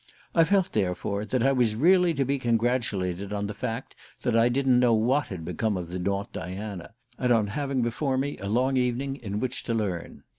I felt, therefore, that I was really to be congratulated on the fact that I didn't know what had become of the Daunt Diana, and on having before me a long evening in which to learn.